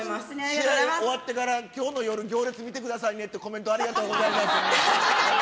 試合終わってから、きょうの夜、行列見てくださいねっていうコメント、ありがとうございます。